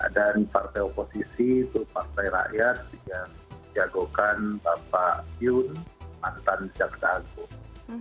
dan partai oposisi itu partai rakyat yang menjagokan bapak yoon mantan jakarta agung